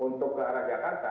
untuk ke arah jakarta